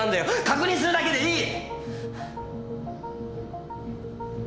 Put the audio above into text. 確認するだけでいい！